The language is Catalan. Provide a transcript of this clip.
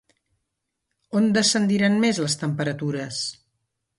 On descendiran més les temperatures?